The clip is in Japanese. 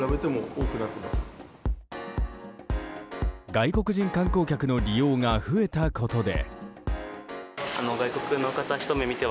外国人観光客の利用が増えたことで。